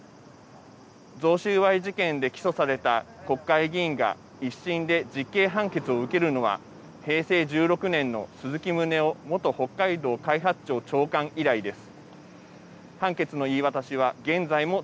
贈収賄事件で起訴された国会議員が１審で実刑判決を受けるのは平成１６年の鈴木宗男元北海道開発庁長官以来です。